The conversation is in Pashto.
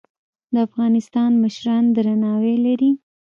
د افغانستان مشران درناوی لري